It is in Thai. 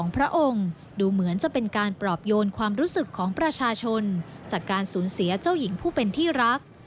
พระองค์ดูเหมือนจะเป็นการปลอบโยนความรู้สึกของประชาชนจากการสูญเสียเจ้าหญิงผู้เป็นที่รัก